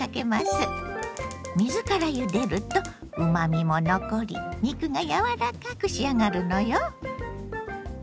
水からゆでるとうまみも残り肉が柔らかく仕上がるのよ。